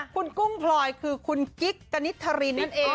คุณกุ้งพลอยคือคุณกิ๊กกณิตธรินนั่นเอง